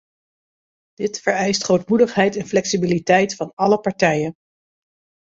Dit vereist grootmoedigheid en flexibiliteit van alle partijen.